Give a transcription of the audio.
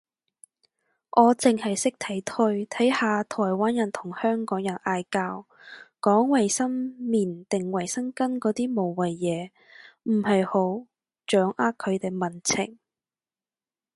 我剩係識睇推睇下台灣人同香港人嗌交，講衛生棉定衛生巾嗰啲無謂嘢，唔係好掌握佢哋民情